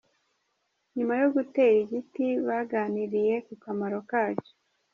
Nyuma yo gutera igiti baganiriye ku kamaro kacyo.